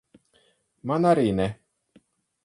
Man arī ne.